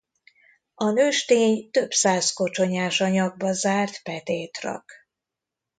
A nőstény több száz kocsonyás anyagba zárt petét rak.